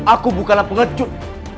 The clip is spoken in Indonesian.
aku bukanlah pengecut